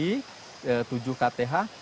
dibagi tujuh kth